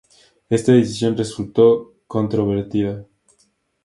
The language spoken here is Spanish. Esta decisión resultó controvertida.